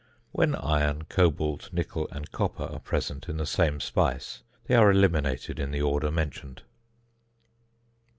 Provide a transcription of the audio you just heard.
When iron, cobalt, nickel, and copper are present in the same speise, they are eliminated in the order mentioned.